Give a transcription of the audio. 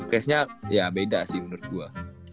casenya ya beda sih menurut gua